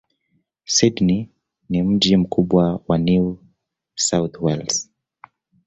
Sydney ni mji mkubwa wa New South Wales.